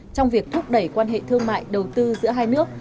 trong việc thúc đẩy quan hệ thương mại đầu tư giữa hai nước